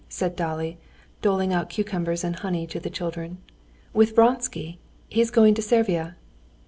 said Dolly, doling out cucumbers and honey to the children; "with Vronsky! He's going to Servia."